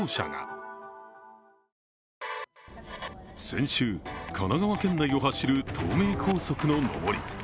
先週、神奈川県内を走る東名高速の上り。